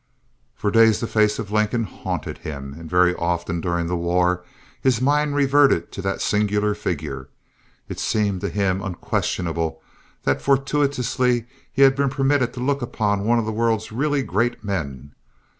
For days the face of Lincoln haunted him, and very often during the war his mind reverted to that singular figure. It seemed to him unquestionable that fortuitously he had been permitted to look upon one of the world's really great men.